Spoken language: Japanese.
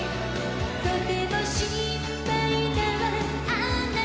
「とても心配だわあなたが」